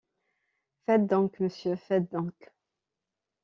Faites donc, monsieur, faites donc!